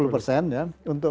empat puluh persen ya untuk